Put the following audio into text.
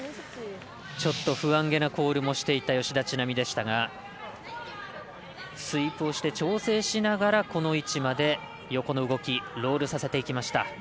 ちょっと不安げなコールもしていた吉田知那美でしたがスイープをして調整しながら、この位置まで横の動きロールさせていきました。